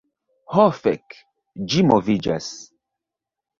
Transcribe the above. Ho fek', ĝi moviĝas!